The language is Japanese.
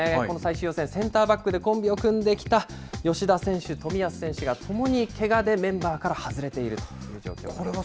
この最終予選、センターバックでコンビを組んできた吉田選手、冨安選手がともにけがでメンバーから外れているという状況です。